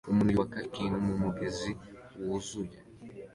Umuntu yubaka ikintu mumugezi wuzuye